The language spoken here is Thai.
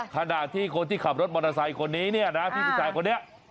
ขณะที่คนที่ขับรถมอเตอร์ไซค์คนนี้เนี่ยนะพี่ผู้ชายคนนี้